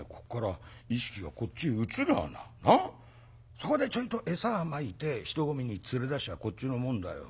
そこでちょいと餌まいて人混みに連れ出しゃこっちのもんだよ。